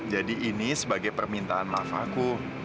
jadi ini sebagai permintaan maaf aku